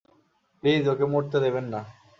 Please, ওকে মরতে দেবেন না!